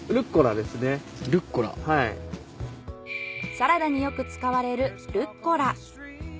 サラダによく使われるルッコラ。